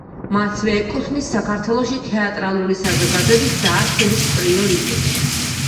მასვე ეკუთვნის საქართველოში თეატრალური საზოგადოების დაარსების პრიორიტეტი.